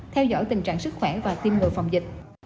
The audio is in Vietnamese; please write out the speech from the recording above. theo dõi tình trạng sức khỏe và tiêm ngừa phòng dịch